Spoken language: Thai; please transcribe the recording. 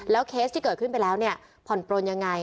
แล้วเคสที่เกิดขึ้นไปแล้วผ่อนโปรนยังไง